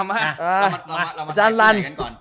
มาเรามาถ่ายกันกันก่อน